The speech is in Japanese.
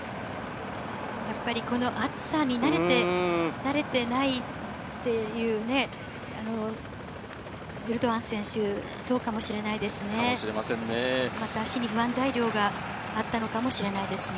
やっぱりこの暑さに慣れてないっていうね、エルドアン選手、そうかもしれないですね。